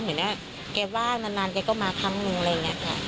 เห็นแล้วแกว่างนานแกก็มาครั้งนึงอะไรอย่างนี้ค่ะ